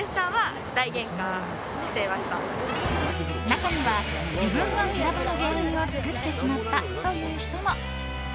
中には、自分が修羅場の原因を作ってしまったという人も。